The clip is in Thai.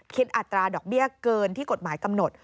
อัตราดอกเบี้ยเกินที่กฎหมายกำหนด